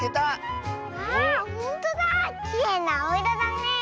きれいなあおいろだねえ。